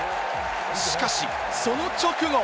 しかし、その直後。